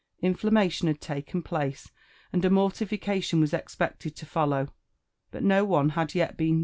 Inflammation had taken place, and a mortification was expected to follow ; but no one had yet been.